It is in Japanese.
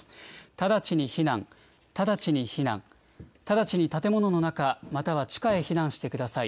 直ちに避難、直ちに避難、直ちに建物の中、または地下へ避難してください。